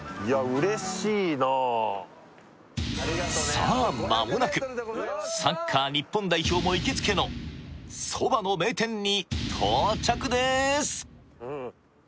さあ間もなくサッカー日本代表も行きつけの蕎麦の名店に到着です